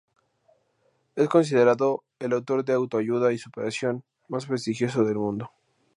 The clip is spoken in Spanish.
Es considerado el autor de autoayuda y superación más prestigioso del mundo.